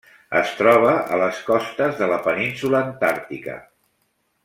Es troba a les costes de la Península Antàrtica.